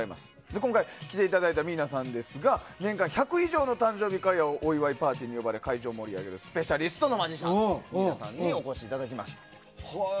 今回、来ていただいたミーナさんですが年間１００以上の誕生日会やお祝いパーティーに呼ばれ会場を盛り上げるスペシャリストのマジシャンのミーナさんにお越しいただきました。